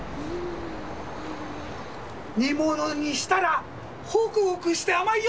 煮物にしたらホクホクして甘いよ！